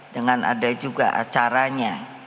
dengan ada juga acaranya